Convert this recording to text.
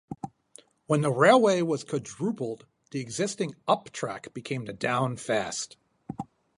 When the railway was quadrupled, the existing up track became the down fast.